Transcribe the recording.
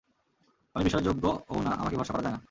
আমি বিশ্বাসযোগ্য ও না, আমাকে ভরসা করা যায় না।